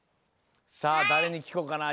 さあだれにきこうかな。